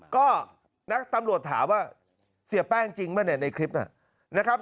ก็นะตำรวจถามว่าเสียแป้งจริงป่ะเนี่ยในคลิปนะครับ